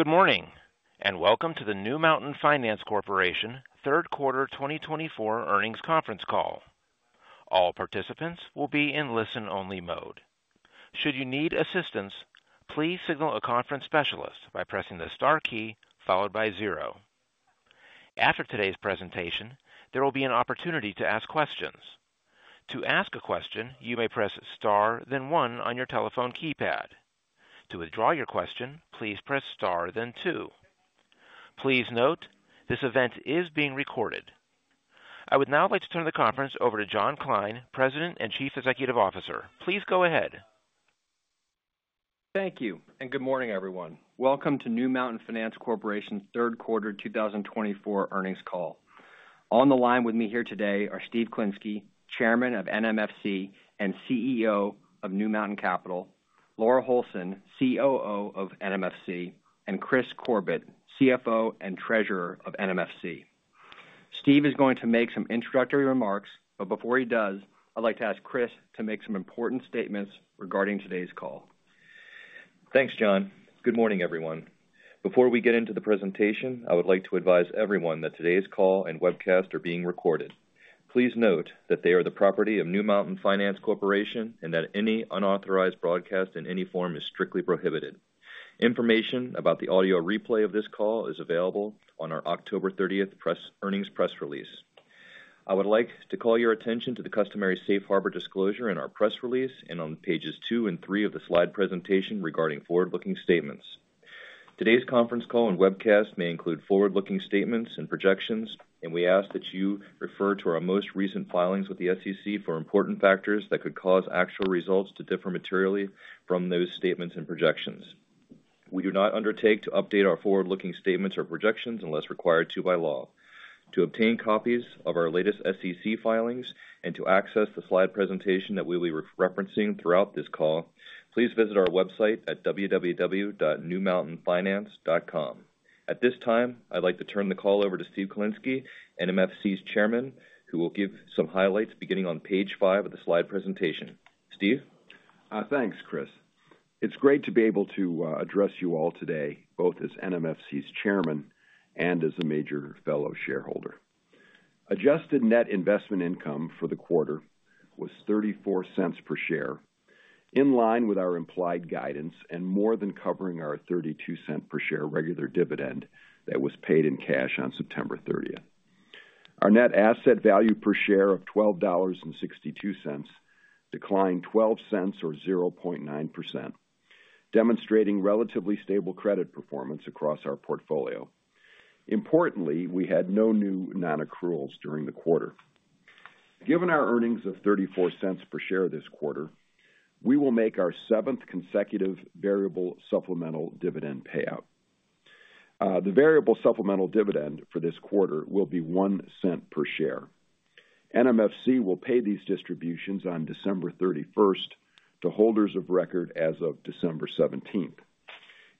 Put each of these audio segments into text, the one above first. Good morning, and welcome to the New Mountain Finance Corporation Q3 2024 Earnings Conference Call. All participants will be in listen-only mode. Should you need assistance, please signal a conference specialist by pressing the star key followed by zero. After today's presentation, there will be an opportunity to ask questions. To ask a question, you may press star, then one on your telephone keypad. To withdraw your question, please press star, then two. Please note, this event is being recorded. I would now like to turn the conference over to John Kline, President and Chief Executive Officer. Please go ahead. Thank you, and good morning, everyone. Welcome to New Mountain Finance Corporation Q3 2024 Earnings Call. On the line with me here today are Steve Klinsky, Chairman of NMFC and CEO of New Mountain Capital, Laura Holson, COO of NMFC, and Kris Corbett, CFO and Treasurer of NMFC. Steve is going to make some introductory remarks, but before he does, I'd like to ask Kris to make some important statements regarding today's call. Thanks, John. Good morning, everyone. Before we get into the presentation, I would like to advise everyone that today's call and webcast are being recorded. Please note that they are the property of New Mountain Finance Corporation and that any unauthorized broadcast in any form is strictly prohibited. Information about the audio replay of this call is available on our October 30th earnings press release. I would like to call your attention to the customary safe harbor disclosure in our press release and on pages two and three of the slide presentation regarding forward-looking statements. Today's conference call and webcast may include forward-looking statements and projections, and we ask that you refer to our most recent filings with the SEC for important factors that could cause actual results to differ materially from those statements and projections. We do not undertake to update our forward-looking statements or projections unless required to by law. To obtain copies of our latest SEC filings and to access the slide presentation that we'll be referencing throughout this call, please visit our website at www.newmountainfinance.com. At this time, I'd like to turn the call over to Steve Klinsky, NMFC's Chairman, who will give some highlights beginning on page five of the slide presentation. Steve? Thanks, Kris. It's great to be able to address you all today, both as NMFC's Chairman and as a major fellow shareholder. Adjusted Net Investment Income for the quarter was $0.34 per share, in line with our implied guidance and more than covering our $0.32 per share regular dividend that was paid in cash on September 30th. Our Net Asset Value per share of $12.62 declined $0.12, or 0.9%, demonstrating relatively stable credit performance across our portfolio. Importantly, we had no new non-accruals during the quarter. Given our earnings of $0.34 per share this quarter, we will make our seventh consecutive variable supplemental dividend payout. The variable supplemental dividend for this quarter will be $0.01 per share. NMFC will pay these distributions on December 31st to holders of record as of December 17th.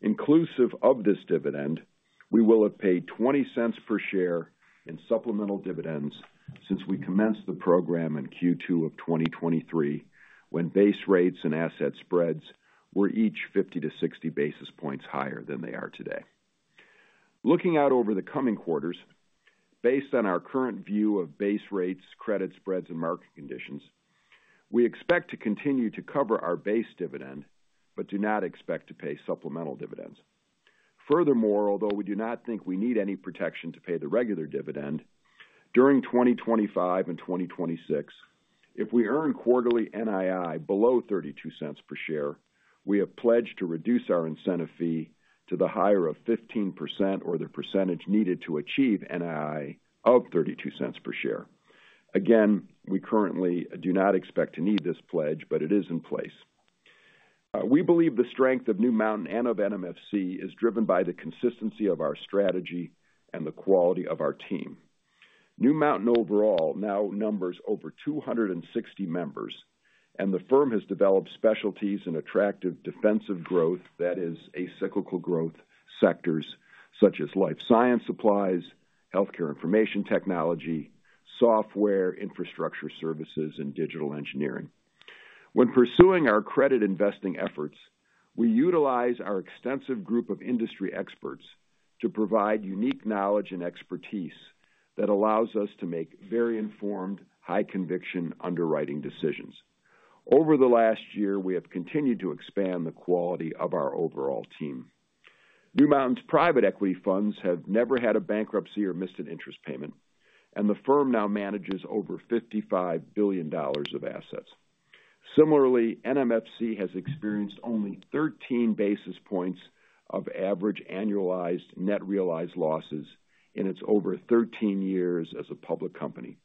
Inclusive of this dividend, we will have paid $0.20 per share in supplemental dividends since we commenced the program in Q2 of 2023 when base rates and asset spreads were each 50-60 basis points higher than they are today. Looking out over the coming quarters, based on our current view of base rates, credit spreads, and market conditions, we expect to continue to cover our base dividend but do not expect to pay supplemental dividends. Furthermore, although we do not think we need any protection to pay the regular dividend, during 2025 and 2026, if we earn quarterly NII below $0.32 per share, we have pledged to reduce our incentive fee to the higher of 15% or the percentage needed to achieve NII of $0.32 per share. Again, we currently do not expect to need this pledge, but it is in place. We believe the strength of New Mountain and of NMFC is driven by the consistency of our strategy and the quality of our team. New Mountain overall now numbers over 260 members, and the firm has developed specialties in attractive defensive growth, that is, acyclical growth, sectors such as life science supplies, healthcare information technology, software infrastructure services, and digital engineering. When pursuing our credit investing efforts, we utilize our extensive group of industry experts to provide unique knowledge and expertise that allows us to make very informed, high-conviction underwriting decisions. Over the last year, we have continued to expand the quality of our overall team. New Mountain's private equity funds have never had a bankruptcy or missed an interest payment, and the firm now manages over $55 billion of assets. Similarly, NMFC has experienced only 13 basis points of average annualized net realized losses in its over 13 years as a public company,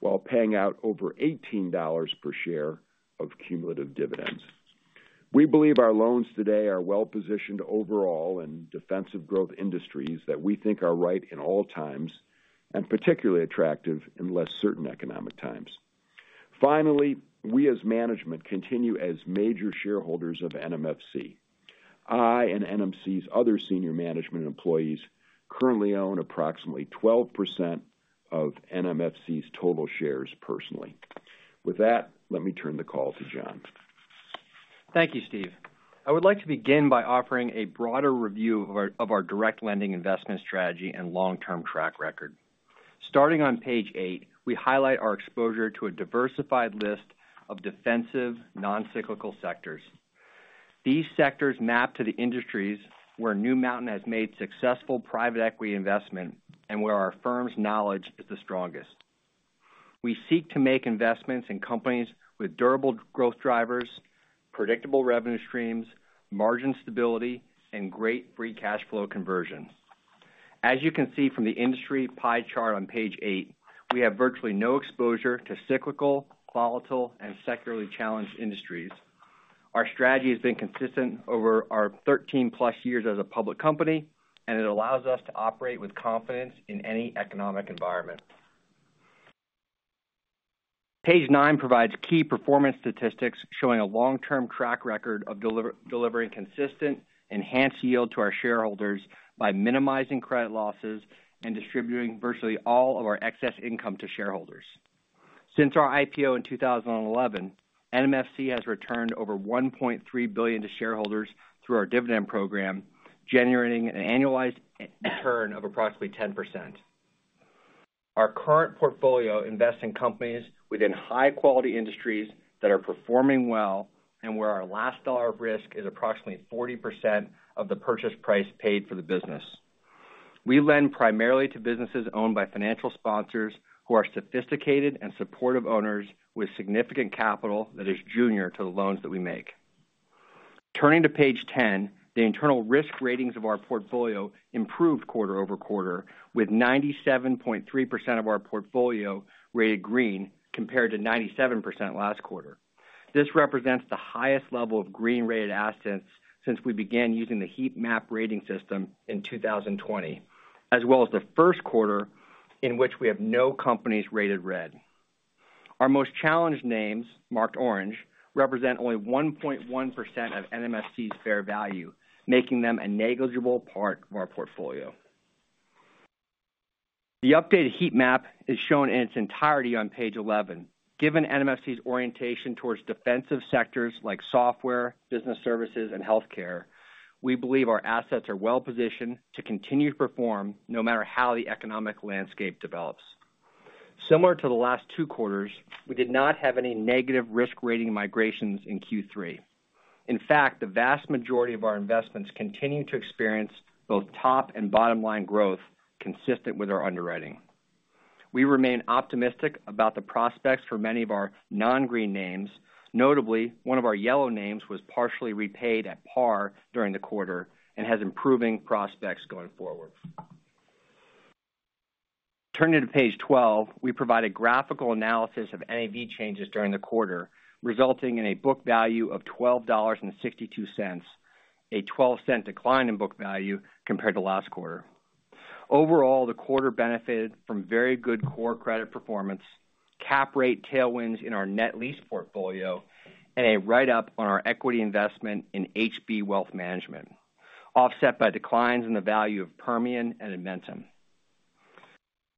while paying out over $18 per share of cumulative dividends. We believe our loans today are well-positioned overall in defensive growth industries that we think are right in all times and particularly attractive in less certain economic times. Finally, we as management continue as major shareholders of NMFC. I and NMC's other senior management employees currently own approximately 12% of NMFC's total shares personally. With that, let me turn the call to John. Thank you, Steve. I would like to begin by offering a broader review of our direct lending investment strategy and long-term track record. Starting on page eight, we highlight our exposure to a diversified list of defensive non-cyclical sectors. These sectors map to the industries where New Mountain has made successful private equity investment and where our firm's knowledge is the strongest. We seek to make investments in companies with durable growth drivers, predictable revenue streams, margin stability, and great free cash flow conversions. As you can see from the industry pie chart on page eight, we have virtually no exposure to cyclical, volatile, and securely challenged industries. Our strategy has been consistent over our 13-plus years as a public company, and it allows us to operate with confidence in any economic environment. Page nine provides key performance statistics showing a long-term track record of delivering consistent, enhanced yield to our shareholders by minimizing credit losses and distributing virtually all of our excess income to shareholders. Since our IPO in 2011, NMFC has returned over $1.3 billion to shareholders through our dividend program, generating an annualized return of approximately 10%. Our current portfolio invests in companies within high-quality industries that are performing well and where our last dollar of risk is approximately 40% of the purchase price paid for the business. We lend primarily to businesses owned by financial sponsors who are sophisticated and supportive owners with significant capital that is junior to the loans that we make. Turning to page 10, the internal risk ratings of our portfolio improved quarter-over-quarter, with 97.3% of our portfolio rated green compared to 97% last quarter. This represents the highest level of green-rated assets since we began using the heat map rating system in 2020, as well as the Q1 in which we have no companies rated red. Our most challenged names, marked orange, represent only 1.1% of NMFC's fair value, making them a negligible part of our portfolio. The updated heat map is shown in its entirety on page 11. Given NMFC's orientation towards defensive sectors like software, business services, and healthcare, we believe our assets are well-positioned to continue to perform no matter how the economic landscape develops. Similar to the last two quarters, we did not have any negative risk rating migrations in Q3. In fact, the vast majority of our investments continue to experience both top and bottom line growth consistent with our underwriting. We remain optimistic about the prospects for many of our non-green names. Notably, one of our yellow names was partially repaid at par during the quarter and has improving prospects going forward. Turning to page 12, we provide a graphical analysis of NAV changes during the quarter, resulting in a book value of $12.62, a $0.12 decline in book value compared to last quarter. Overall, the quarter benefited from very good core credit performance, cap rate tailwinds in our net lease portfolio, and a write-up on our equity investment in HB Wealth Management, offset by declines in the value of Permian and Edmentum.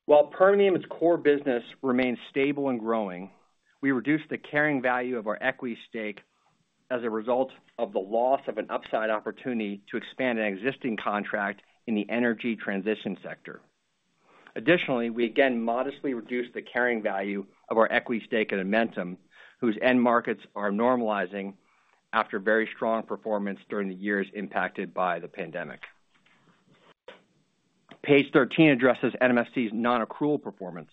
While Permian's core business remains stable and growing, we reduced the carrying value of our equity stake as a result of the loss of an upside opportunity to expand an existing contract in the energy transition sector. Additionally, we again modestly reduced the carrying value of our equity stake at Edmentum, whose end markets are normalizing after very strong performance during the years impacted by the pandemic. Page 13 addresses NMFC's non-accrual performance.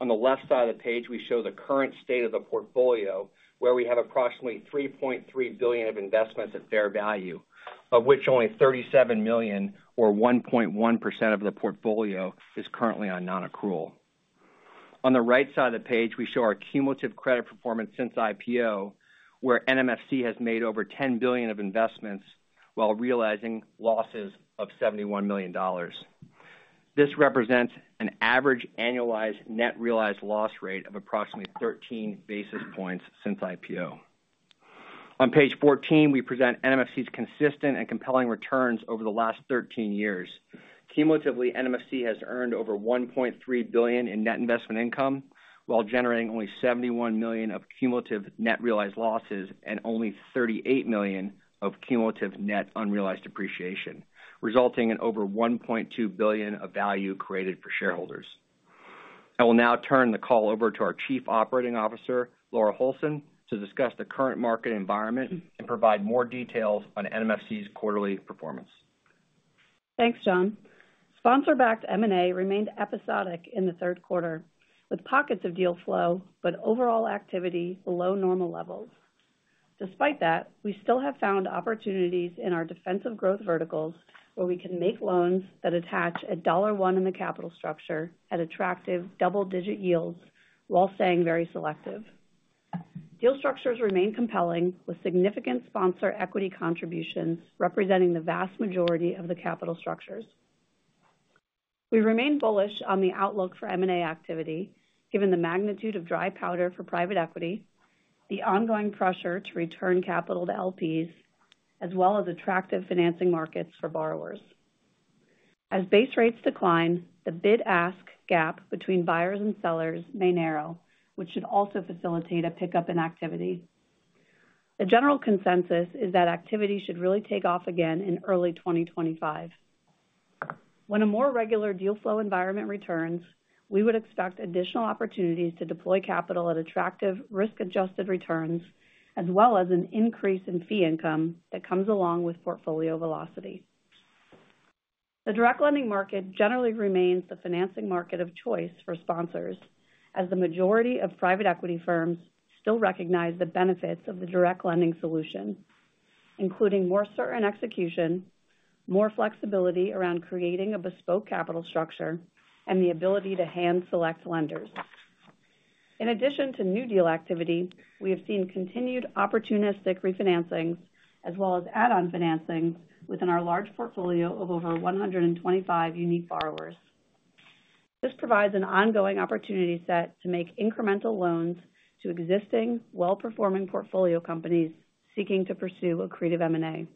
On the left side of the page, we show the current state of the portfolio, where we have approximately $3.3 billion of investments at fair value, of which only $37 million, or 1.1% of the portfolio, is currently on non-accrual. On the right side of the page, we show our cumulative credit performance since IPO, where NMFC has made over $10 billion of investments while realizing losses of $71 million. This represents an average annualized net realized loss rate of approximately 13 basis points since IPO. On page 14, we present NMFC's consistent and compelling returns over the last 13 years. Cumulatively, NMFC has earned over $1.3 billion in net investment income while generating only $71 million of cumulative net realized losses and only $38 million of cumulative net unrealized depreciation, resulting in over $1.2 billion of value created for shareholders. I will now turn the call over to our Chief Operating Officer, Laura Holson, to discuss the current market environment and provide more details on NMFC's quarterly performance. Thanks, John. Sponsor-backed M&A remained episodic in the Q3, with pockets of deal flow, but overall activity below normal levels. Despite that, we still have found opportunities in our defensive growth verticals where we can make loans that attach a $1 in the capital structure at attractive double-digit yields while staying very selective. Deal structures remain compelling, with significant sponsor equity contributions representing the vast majority of the capital structures. We remain bullish on the outlook for M&A activity, given the magnitude of dry powder for private equity, the ongoing pressure to return capital to LPs, as well as attractive financing markets for borrowers. As base rates decline, the bid-ask gap between buyers and sellers may narrow, which should also facilitate a pickup in activity. The general consensus is that activity should really take off again in early 2025. When a more regular deal flow environment returns, we would expect additional opportunities to deploy capital at attractive risk-adjusted returns, as well as an increase in fee income that comes along with portfolio velocity. The direct lending market generally remains the financing market of choice for sponsors, as the majority of private equity firms still recognize the benefits of the direct lending solution, including more certain execution, more flexibility around creating a bespoke capital structure, and the ability to hand-select lenders. In addition to new deal activity, we have seen continued opportunistic refinancing, as well as add-on financings, within our large portfolio of over 125 unique borrowers. This provides an ongoing opportunity set to make incremental loans to existing well-performing portfolio companies seeking to pursue a creative M&A.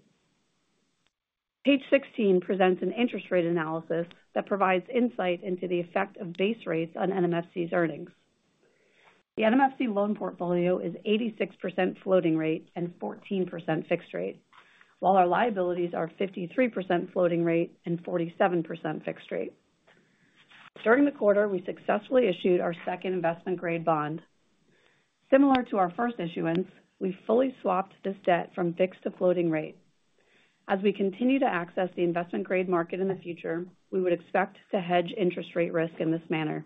Page 16 presents an interest rate analysis that provides insight into the effect of base rates on NMFC's earnings. The NMFC loan portfolio is 86% floating rate and 14% fixed rate, while our liabilities are 53% floating rate and 47% fixed rate. During the quarter, we successfully issued our second investment-grade bond. Similar to our first issuance, we fully swapped this debt from fixed to floating rate. As we continue to access the investment-grade market in the future, we would expect to hedge interest rate risk in this manner.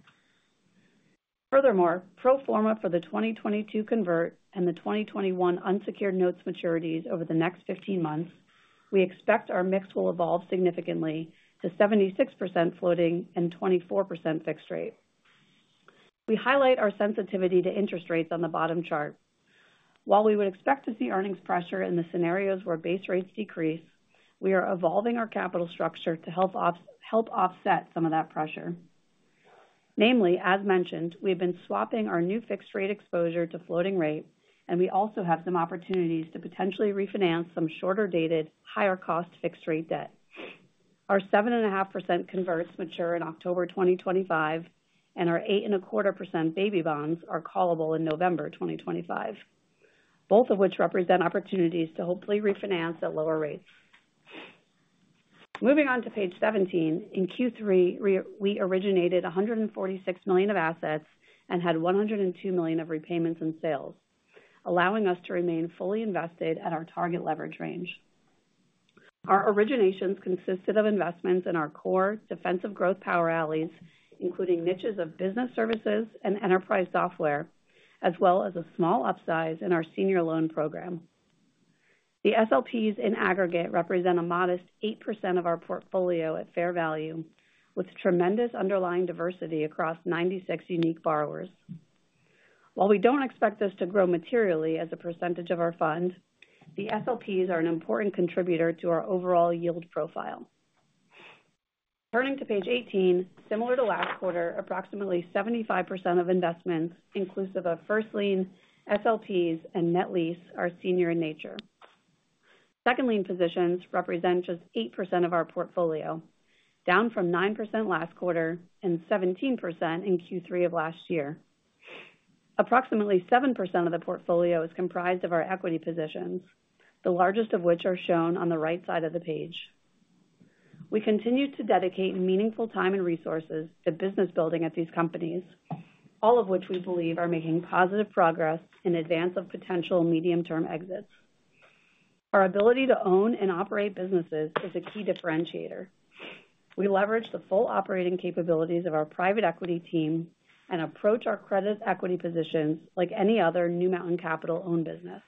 Furthermore, pro forma for the 2022 convert and the 2021 unsecured notes maturities over the next 15 months, we expect our mix will evolve significantly to 76% floating and 24% fixed rate. We highlight our sensitivity to interest rates on the bottom chart. While we would expect to see earnings pressure in the scenarios where base rates decrease, we are evolving our capital structure to help offset some of that pressure. Namely, as mentioned, we have been swapping our new fixed-rate exposure to floating rate, and we also have some opportunities to potentially refinance some shorter-dated, higher-cost fixed-rate debt. Our 7.5% converts mature in October 2025, and our 8.25% baby bonds are callable in November 2025, both of which represent opportunities to hopefully refinance at lower rates. Moving on to page 17, in Q3, we originated $146 million of assets and had $102 million of repayments in sales, allowing us to remain fully invested at our target leverage range. Our originations consisted of investments in our core defensive growth power alleys, including niches of business services and enterprise software, as well as a small upsize in our senior loan program. The SLPs in aggregate represent a modest 8% of our portfolio at fair value, with tremendous underlying diversity across 96 unique borrowers. While we don't expect this to grow materially as a percentage of our fund, the SLPs are an important contributor to our overall yield profile. Turning to page 18, similar to last quarter, approximately 75% of investments, inclusive of first lien, SLPs, and net lease, are senior in nature. Second lien positions represent just 8% of our portfolio, down from 9% last quarter and 17% in Q3 of last year. Approximately 7% of the portfolio is comprised of our equity positions, the largest of which are shown on the right side of the page. We continue to dedicate meaningful time and resources to business building at these companies, all of which we believe are making positive progress in advance of potential medium-term exits. Our ability to own and operate businesses is a key differentiator. We leverage the full operating capabilities of our private equity team and approach our credit equity positions like any other New Mountain Capital-owned business.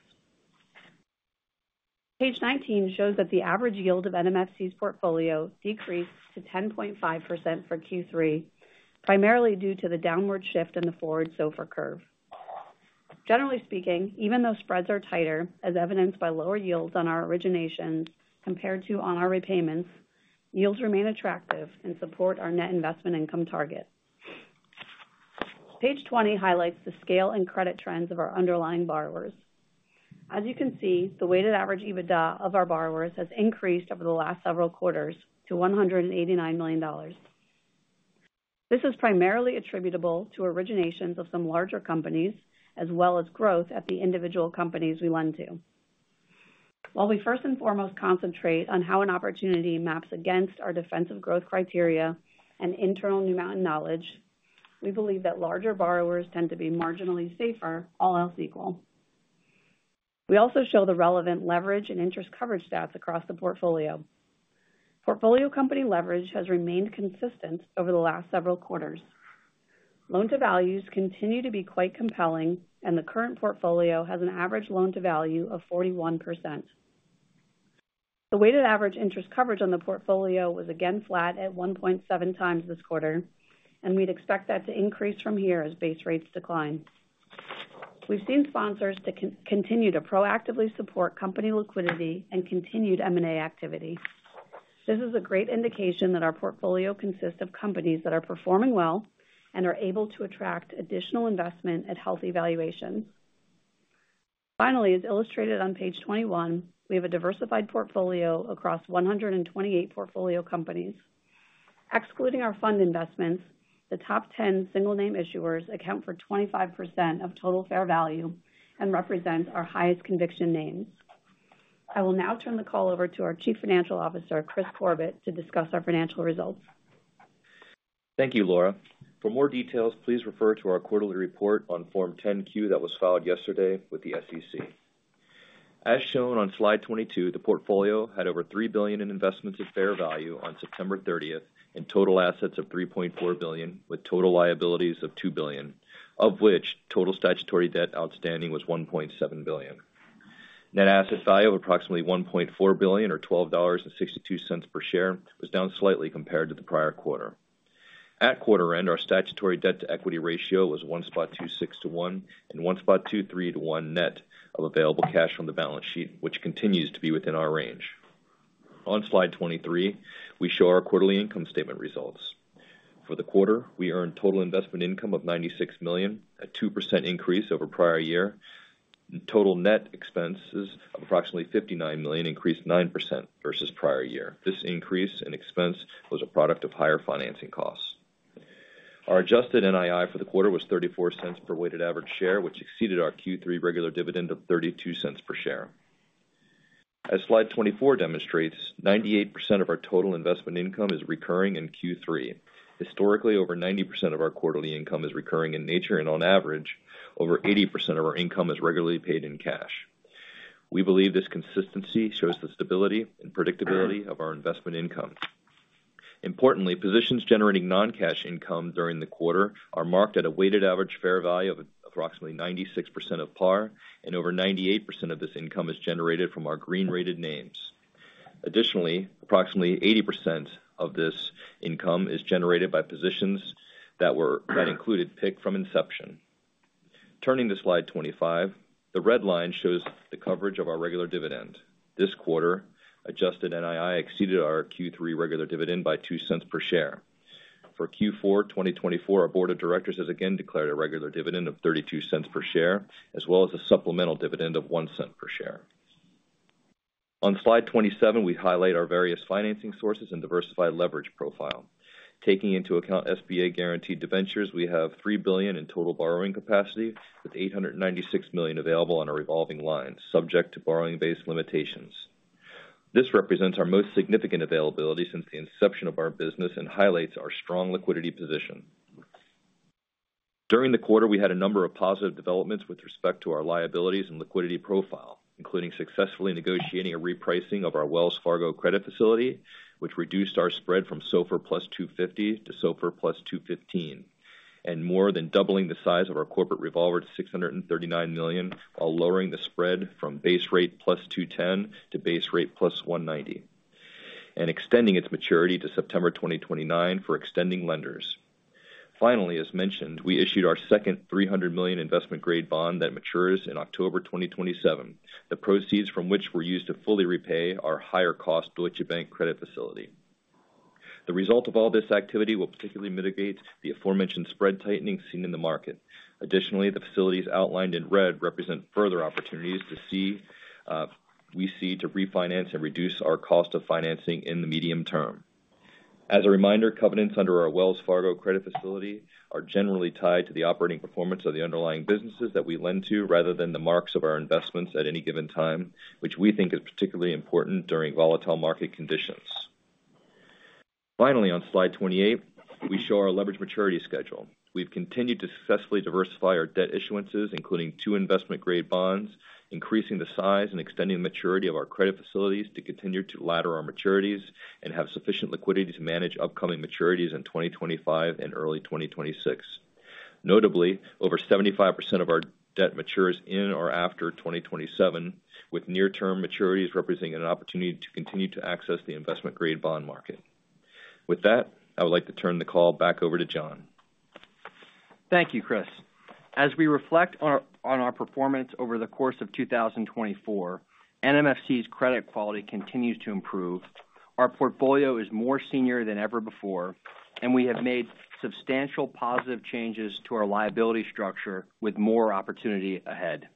Page 19 shows that the average yield of NMFC's portfolio decreased to 10.5% for Q3, primarily due to the downward shift in the forward SOFR curve. Generally speaking, even though spreads are tighter, as evidenced by lower yields on our originations compared to on our repayments, yields remain attractive and support our net investment income target. Page 20 highlights the scale and credit trends of our underlying borrowers. As you can see, the weighted average EBITDA of our borrowers has increased over the last several quarters to $189 million. This is primarily attributable to originations of some larger companies, as well as growth at the individual companies we lend to. While we first and foremost concentrate on how an opportunity maps against our defensive growth criteria and internal New Mountain knowledge, we believe that larger borrowers tend to be marginally safer, all else equal. We also show the relevant leverage and interest coverage stats across the portfolio. Portfolio company leverage has remained consistent over the last several quarters. Loan-to-values continue to be quite compelling, and the current portfolio has an average loan-to-value of 41%. The weighted average interest coverage on the portfolio was again flat at 1.7 times this quarter, and we'd expect that to increase from here as base rates decline. We've seen sponsors continue to proactively support company liquidity and continued M&A activity. This is a great indication that our portfolio consists of companies that are performing well and are able to attract additional investment at healthy valuations. Finally, as illustrated on page 21, we have a diversified portfolio across 128 portfolio companies. Excluding our fund investments, the top 10 single-name issuers account for 25% of total fair value and represent our highest conviction names. I will now turn the call over to our Chief Financial Officer, Kris Corbett, to discuss our financial results. Thank you, Laura. For more details, please refer to our quarterly report on Form 10-Q that was filed yesterday with the SEC. As shown on slide 22, the portfolio had over $3 billion in investments at fair value on September 30th and total assets of $3.4 billion, with total liabilities of $2 billion, of which total statutory debt outstanding was $1.7 billion. Net asset value of approximately $1.4 billion, or $12.62 per share, was down slightly compared to the prior quarter. At quarter end, our statutory debt-to-equity ratio was 1.26 to 1 and 1.23 to 1 net of available cash from the balance sheet, which continues to be within our range. On slide 23, we show our quarterly income statement results. For the quarter, we earned total investment income of $96 million, a 2% increase over prior year, and total net expenses of approximately $59 million increased 9% versus prior year. This increase in expense was a product of higher financing costs. Our adjusted NII for the quarter was $0.34 per weighted average share, which exceeded our Q3 regular dividend of $0.32 per share. As slide 24 demonstrates, 98% of our total investment income is recurring in Q3. Historically, over 90% of our quarterly income is recurring in nature, and on average, over 80% of our income is regularly paid in cash. We believe this consistency shows the stability and predictability of our investment income. Importantly, positions generating non-cash income during the quarter are marked at a weighted average fair value of approximately 96% of par, and over 98% of this income is generated from our green-rated names. Additionally, approximately 80% of this income is generated by positions that included PIK from inception. Turning to slide 25, the red line shows the coverage of our regular dividend. This quarter, adjusted NII exceeded our Q3 regular dividend by $0.02 per share. For Q4 2024, our board of directors has again declared a regular dividend of $0.32 per share, as well as a supplemental dividend of $0.01 per share. On slide 27, we highlight our various financing sources and diversified leverage profile. Taking into account SBA-guaranteed debentures, we have $3 billion in total borrowing capacity, with $896 million available on our revolving line, subject to borrowing-based limitations. This represents our most significant availability since the inception of our business and highlights our strong liquidity position. During the quarter, we had a number of positive developments with respect to our liabilities and liquidity profile, including successfully negotiating a repricing of our Wells Fargo credit facility, which reduced our spread from SOFR plus 250 to SOFR plus 215, and more than doubling the size of our corporate revolver to $639 million, while lowering the spread from base rate plus 210 to base rate plus 190, and extending its maturity to September 2029 for extending lenders. Finally, as mentioned, we issued our second $300 million investment-grade bond that matures in October 2027, the proceeds from which were used to fully repay our higher-cost Deutsche Bank credit facility. The result of all this activity will particularly mitigate the aforementioned spread tightening seen in the market. Additionally, the facilities outlined in red represent further opportunities we see to refinance and reduce our cost of financing in the medium term. As a reminder, covenants under our Wells Fargo credit facility are generally tied to the operating performance of the underlying businesses that we lend to, rather than the marks of our investments at any given time, which we think is particularly important during volatile market conditions. Finally, on slide 28, we show our leverage maturity schedule. We've continued to successfully diversify our debt issuances, including two investment-grade bonds, increasing the size and extending the maturity of our credit facilities to continue to ladder our maturities and have sufficient liquidity to manage upcoming maturities in 2025 and early 2026. Notably, over 75% of our debt matures in or after 2027, with near-term maturities representing an opportunity to continue to access the investment-grade bond market. With that, I would like to turn the call back over to John. Thank you, Kris. As we reflect on our performance over the course of 2024, NMFC's credit quality continues to improve. Our portfolio is more senior than ever before, and we have made substantial positive changes to our liability structure with more opportunity ahead.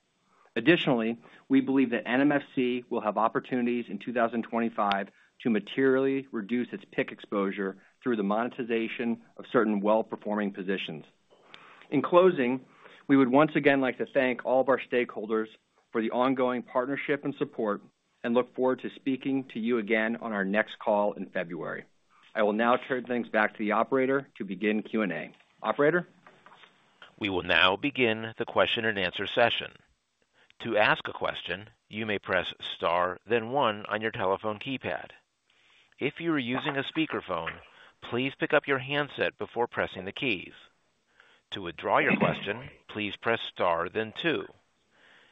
Additionally, we believe that NMFC will have opportunities in 2025 to materially reduce its PIK exposure through the monetization of certain well-performing positions. In closing, we would once again like to thank all of our stakeholders for the ongoing partnership and support and look forward to speaking to you again on our next call in February. I will now turn things back to the operator to begin Q&A. Operator. We will now begin the Q&A session. To ask a question, you may press star, then one on your telephone keypad. If you are using a speakerphone, please pick up your handset before pressing the keys. To withdraw your question, please press star, then two.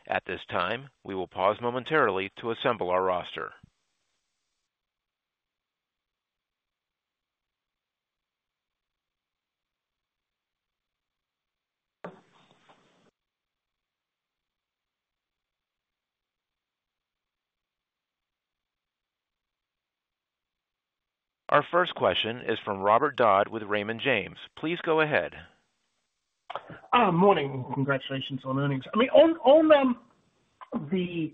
At this time, we will pause momentarily to assemble our roster. Our first question is from Robert Dodd with Raymond James. Please go ahead. Morning. Congratulations on earnings. I mean, on the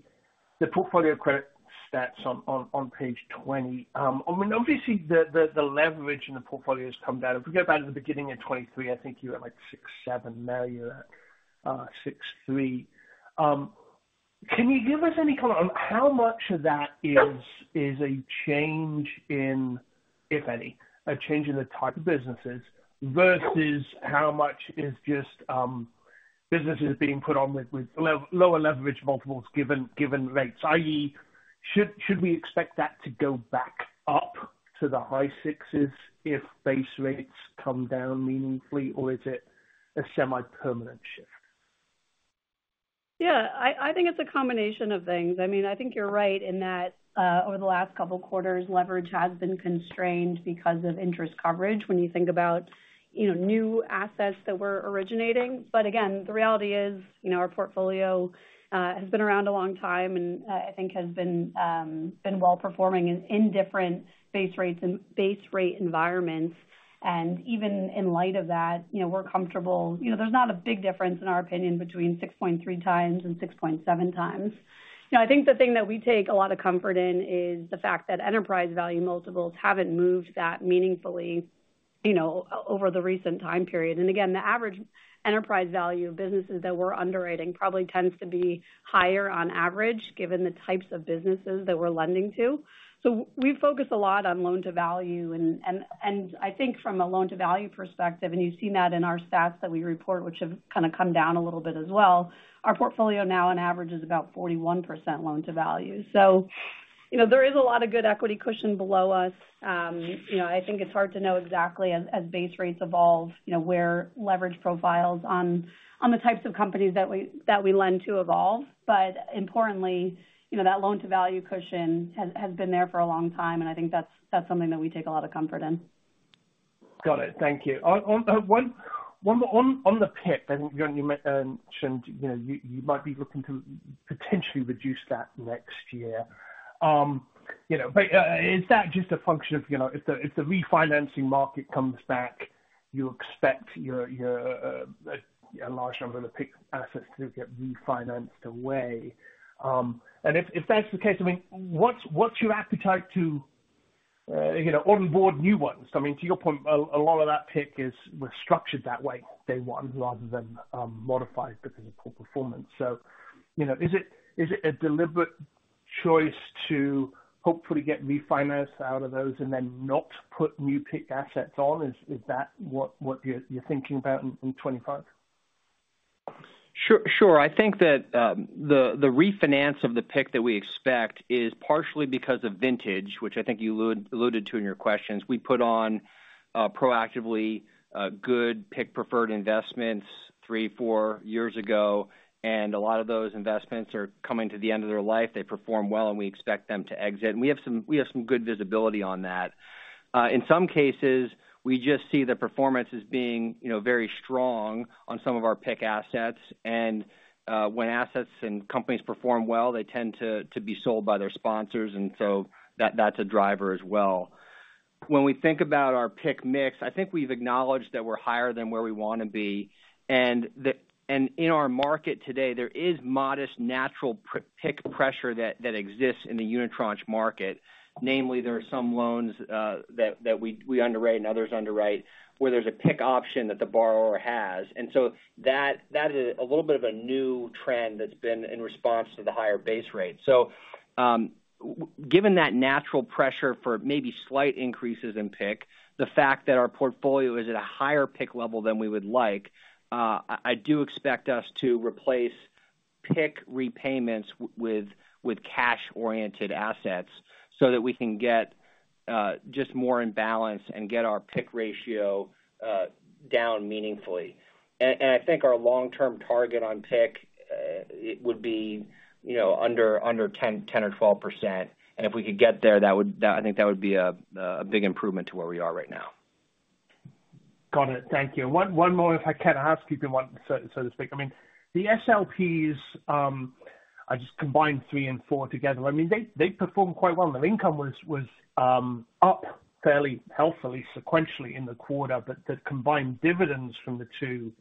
portfolio credit stats on page 20, I mean, obviously, the leverage in the portfolio has come down. If we go back to the beginning of 2023, I think you were at like 6.7, now you're at 6.3. Can you give us any kind of how much of that is a change in, if any, a change in the type of businesses versus how much is just businesses being put on with lower leverage multiples given rates, i.e., should we expect that to go back up to the high sixes if base rates come down meaningfully, or is it a semi-permanent shift? Yeah, I think it's a combination of things. I mean, I think you're right in that over the last couple of quarters, leverage has been constrained because of interest coverage when you think about new assets that were originating. But again, the reality is our portfolio has been around a long time and I think has been well-performing in different base rate environments. And even in light of that, we're comfortable. There's not a big difference, in our opinion, between 6.3 times and 6.7 times. I think the thing that we take a lot of comfort in is the fact that enterprise value multiples haven't moved that meaningfully over the recent time period. And again, the average enterprise value of businesses that we're underwriting probably tends to be higher on average given the types of businesses that we're lending to. So we focus a lot on loan-to-value. I think from a loan-to-value perspective, and you've seen that in our stats that we report, which have kind of come down a little bit as well, our portfolio now on average is about 41% loan-to-value. There is a lot of good equity cushion below us. I think it's hard to know exactly, as base rates evolve, where leverage profiles on the types of companies that we lend to evolve. But importantly, that loan-to-value cushion has been there for a long time, and I think that's something that we take a lot of comfort in. Got it. Thank you. On the PIK, I think you mentioned you might be looking to potentially reduce that next year, but is that just a function of if the refinancing market comes back, you expect a large number of the PIK assets to get refinanced away, and if that's the case, I mean, what's your appetite to onboard new ones? I mean, to your point, a lot of that PIK is structured that way, day one, rather than modified because of poor performance, so is it a deliberate choice to hopefully get refinanced out of those and then not put new PIK assets on? Is that what you're thinking about in 2025? Sure. I think that the refinance of the PIK that we expect is partially because of vintage, which I think you alluded to in your questions. We put on proactively good PIK preferred investments three, four years ago, and a lot of those investments are coming to the end of their life. They perform well, and we expect them to exit. And we have some good visibility on that. In some cases, we just see the performance as being very strong on some of our PIK assets. And when assets and companies perform well, they tend to be sold by their sponsors, and so that's a driver as well. When we think about our PIK mix, I think we've acknowledged that we're higher than where we want to be. And in our market today, there is modest natural PIK pressure that exists in the unitranche market. Namely, there are some loans that we underwrite and others underwrite where there's a PIK option that the borrower has, and so that is a little bit of a new trend that's been in response to the higher base rate. So given that natural pressure for maybe slight increases in PIK, the fact that our portfolio is at a higher PIK level than we would like, I do expect us to replace PIK repayments with cash-oriented assets so that we can get just more in balance and get our PIK ratio down meaningfully, and I think our long-term target on PIK would be under 10% or 12%. And if we could get there, I think that would be a big improvement to where we are right now. Got it. Thank you. One more, if I can ask if you want, so to speak. I mean, the SLPs, I just combined three and four together. I mean, they performed quite well. Their income was up fairly healthily sequentially in the quarter, but the combined dividends from the two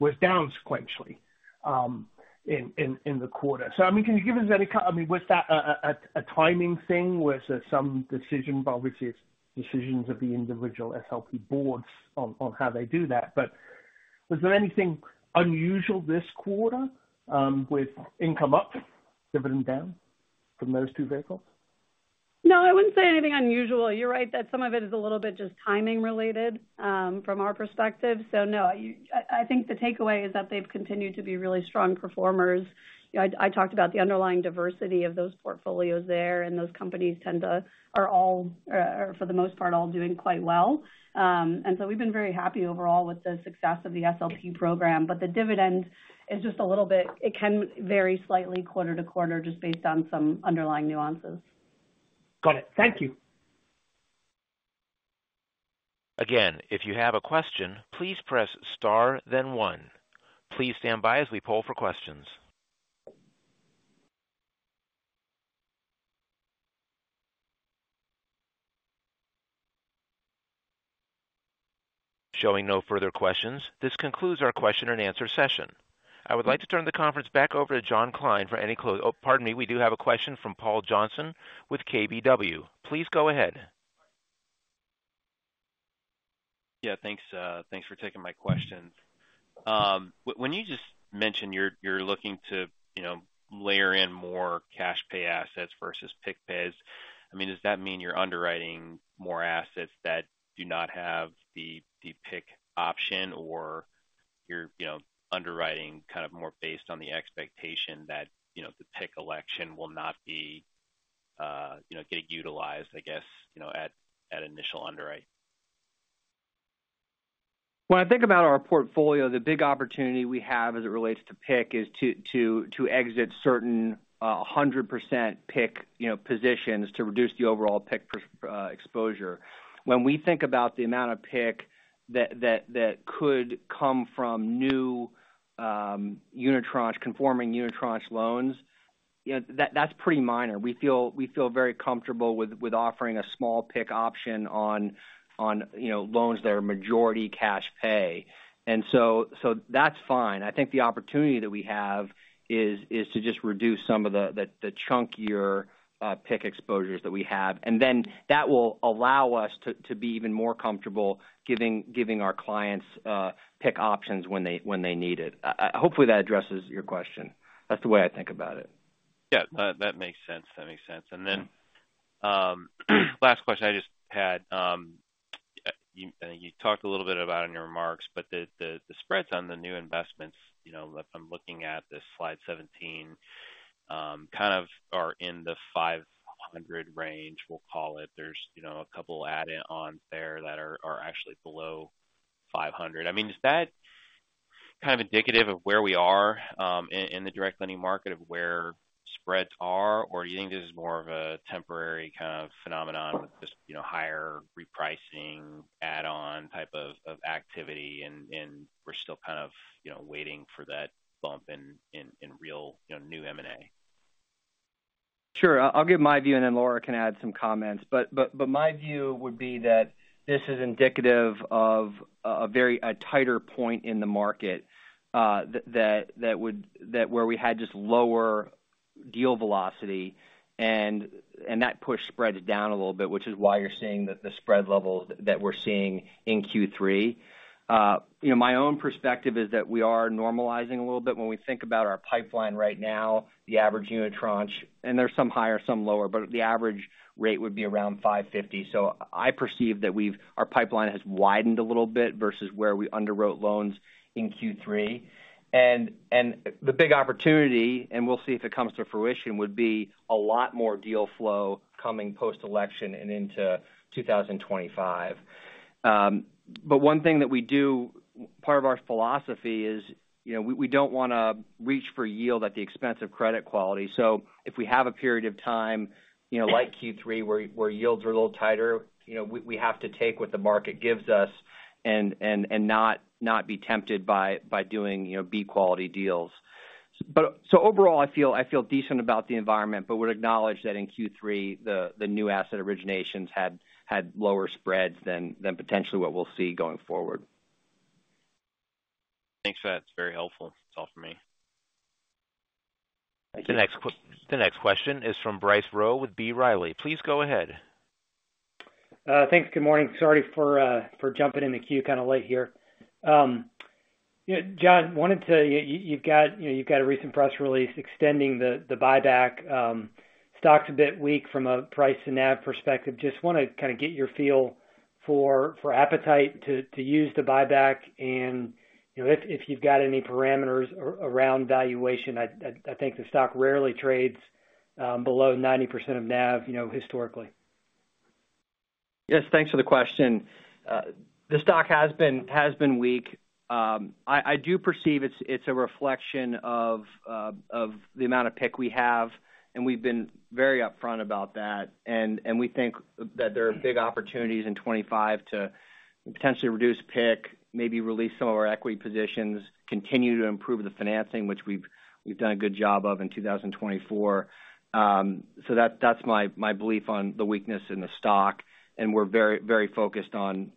were down sequentially in the quarter. So I mean, can you give us any kind of, I mean, was that a timing thing? Was there some decision, but obviously, it's decisions of the individual SLP boards on how they do that. But was there anything unusual this quarter with income up, dividend down from those two vehicles? No, I wouldn't say anything unusual. You're right that some of it is a little bit just timing related from our perspective. So no, I think the takeaway is that they've continued to be really strong performers. I talked about the underlying diversity of those portfolios there, and those companies tend to, for the most part, all doing quite well. And so we've been very happy overall with the success of the SLP program. But the dividend is just a little bit; it can vary slightly quarter to quarter just based on some underlying nuances. Got it. Thank you. Again, if you have a question, please press star, then one. Please stand by as we poll for questions. Showing no further questions, this concludes our Q&A session. I would like to turn the conference back over to John Kline for any close. Oh, pardon me, we do have a question from Paul Johnson with KBW. Please go ahead. Yeah, thanks for taking my question. When you just mentioned you're looking to layer in more cash pay assets versus PIK pays, I mean, does that mean you're underwriting more assets that do not have the PIK option or you're underwriting kind of more based on the expectation that the PIK election will not be getting utilized, I guess, at initial underwrite? When I think about our portfolio, the big opportunity we have as it relates to PIK is to exit certain 100% PIK positions to reduce the overall PIK exposure. When we think about the amount of PIK that could come from new unit tranche conforming unit tranche loans, that's pretty minor. We feel very comfortable with offering a small PIK option on loans that are majority cash pay, and so that's fine. I think the opportunity that we have is to just reduce some of the chunkier PIK exposures that we have, and then that will allow us to be even more comfortable giving our clients PIK options when they need it. Hopefully, that addresses your question. That's the way I think about it. Yeah, that makes sense. That makes sense. And then last question I just had, I think you talked a little bit about in your remarks, but the spreads on the new investments that I'm looking at, this slide 17, kind of are in the 500 range, we'll call it. There's a couple of add-ons there that are actually below 500. I mean, is that kind of indicative of where we are in the direct lending market of where spreads are, or do you think this is more of a temporary kind of phenomenon with just higher repricing add-on type of activity, and we're still kind of waiting for that bump in real new M&A? Sure. I'll give my view, and then Laura can add some comments, but my view would be that this is indicative of a tighter point in the market where we had just lower deal velocity, and that push spreads down a little bit, which is why you're seeing the spread level that we're seeing in Q3. My own perspective is that we are normalizing a little bit. When we think about our pipeline right now, the average unit tranche, and there's some higher, some lower, but the average rate would be around 5.50. So I perceive that our pipeline has widened a little bit versus where we underwrote loans in Q3, and the big opportunity, and we'll see if it comes to fruition, would be a lot more deal flow coming post-election and into 2025. but one thing that we do, part of our philosophy is we don't want to reach for yield at the expense of credit quality. So if we have a period of time like Q3 where yields are a little tighter, we have to take what the market gives us and not be tempted by doing B-quality deals. So overall, I feel decent about the environment, but would acknowledge that in Q3, the new asset originations had lower spreads than potentially what we'll see going forward. Thanks for that. It's very helpful. That's all for me. The next question is from Bryce Rowe with B. Riley. Please go ahead. Thanks. Good morning. Sorry for jumping in the queue kind of late here. John, you've got a recent press release extending the buyback. Stock's a bit weak from a price-to-NAV perspective. Just want to kind of get your feel for appetite to use the buyback and if you've got any parameters around valuation. I think the stock rarely trades below 90% of NAV historically. Yes, thanks for the question. The stock has been weak. I do perceive it's a reflection of the amount of PIK we have, and we've been very upfront about that. And we think that there are big opportunities in 2025 to potentially reduce PIK, maybe release some of our equity positions, continue to improve the financing, which we've done a good job of in 2024. So that's my belief on the weakness in the stock. And we're very focused on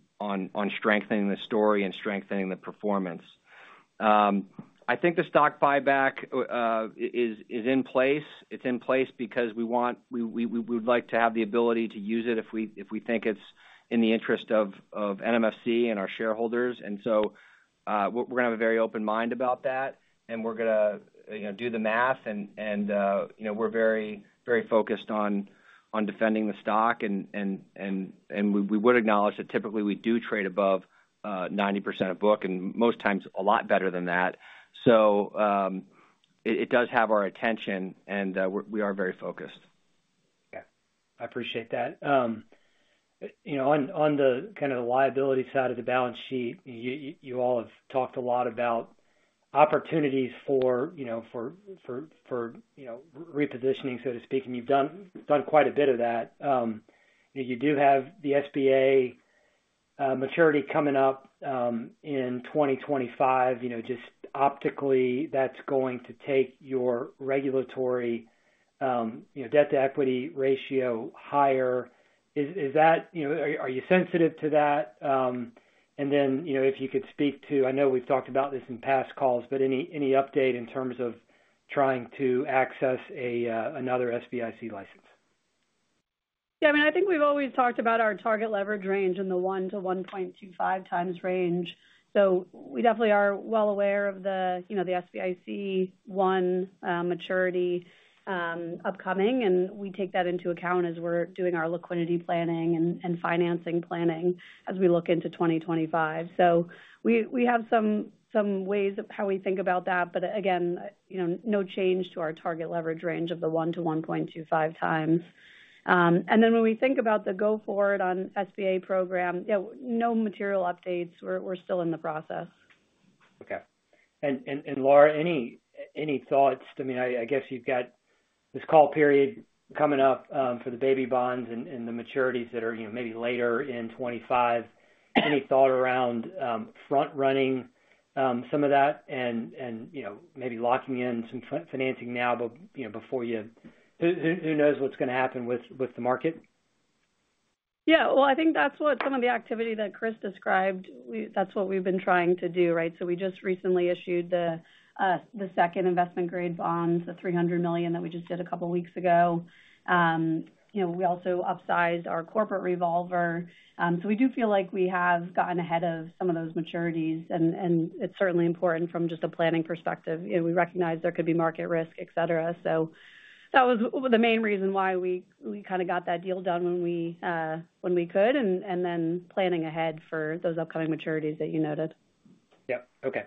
strengthening the story and strengthening the performance. I think the stock buyback is in place. It's in place because we'd like to have the ability to use it if we think it's in the interest of NMFC and our shareholders. And so we're going to have a very open mind about that, and we're going to do the math. And we're very focused on defending the stock. And we would acknowledge that typically we do trade above 90% of book and most times a lot better than that. So it does have our attention, and we are very focused. Yeah. I appreciate that. On the kind of liability side of the balance sheet, you all have talked a lot about opportunities for repositioning, so to speak. And you've done quite a bit of that. You do have the SBA maturity coming up in 2025. Just optically, that's going to take your regulatory debt-to-equity ratio higher. Are you sensitive to that? And then if you could speak to, I know we've talked about this in past calls, but any update in terms of trying to access another SBIC license? Yeah. I mean, I think we've always talked about our target leverage range in the 1 to 1.25 times range. So we definitely are well aware of the SBIC 1 maturity upcoming, and we take that into account as we're doing our liquidity planning and financing planning as we look into 2025, so we have some ways of how we think about that, but again, no change to our target leverage range of the 1 to 1.25 times, and then when we think about the Go Forward on SBA program, no material updates. We're still in the process. Okay. And Laura, any thoughts? I mean, I guess you've got this call period coming up for the baby bonds and the maturities that are maybe later in 2025. Any thought around front-running some of that and maybe locking in some financing now before you? Who knows what's going to happen with the market? Yeah. Well, I think that's what some of the activity that Kris described, that's what we've been trying to do, right? So we just recently issued the second investment-grade bonds, the $300 million that we just did a couple of weeks ago. We also upsized our corporate revolver. So we do feel like we have gotten ahead of some of those maturities, and it's certainly important from just a planning perspective. We recognize there could be market risk, etc. So that was the main reason why we kind of got that deal done when we could and then planning ahead for those upcoming maturities that you noted. Yep. Okay.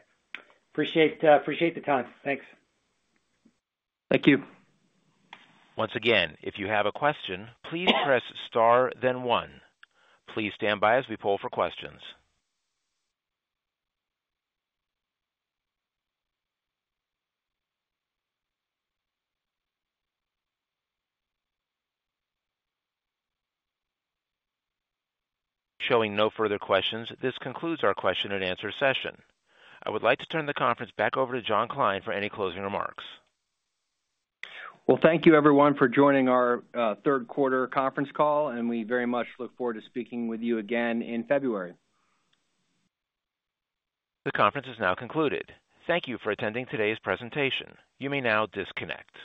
Appreciate the time. Thanks. Thank you. Once again, if you have a question, please press star, then one. Please stand by as we poll for questions. Showing no further questions, this concludes our Q&A session. I would like to turn the conference back over to John Kline for any closing remarks. Thank you, everyone, for joining our Q3 conference call, and we very much look forward to speaking with you again in February. The conference is now concluded. Thank you for attending today's presentation. You may now disconnect.